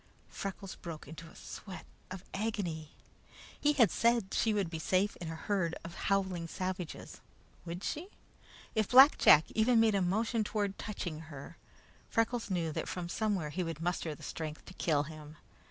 Freckles broke into a sweat of agony. He had said she would be safe in a herd of howling savages. Would she? If Black Jack even made a motion toward touching her, Freckles knew that from somewhere he would muster the strength to kill him.